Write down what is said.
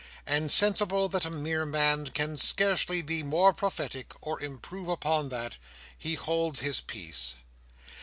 and sensible that a mere man can scarcely be more prophetic, or improve upon that, he holds his peace.